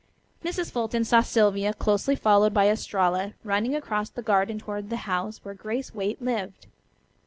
Mrs. Fulton saw Sylvia, closely followed by Estralla, running across the garden toward the house where Grace Waite lived.